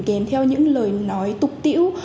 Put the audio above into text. kém theo những lời nói tục tĩu